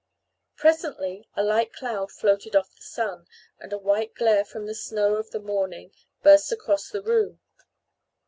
Presently a light cloud floated off the sun, and a white glare from the snow of the morning burst across the room.